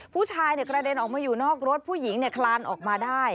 ผู้ชายกระเด็นออกมาอยู่นอกรถผู้หญิงคลานออกมาได้